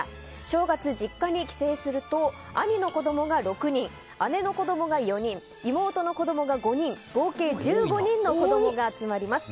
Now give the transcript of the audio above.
正月、実家に帰省すると兄の子供が６人姉の子供が４人妹の子供が５人合計１５人の子供が集まります。